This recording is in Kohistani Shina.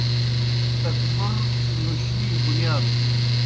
تکبُر نوشنی بُنیادِن